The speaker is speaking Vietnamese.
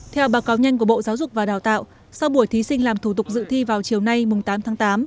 theo báo cáo nhanh của bộ giáo dục và đào tạo sau buổi thí sinh làm thủ tục dự thi vào chiều nay tám tháng tám